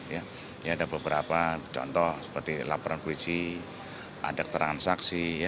ini ada beberapa contoh seperti laporan krisi adat transaksi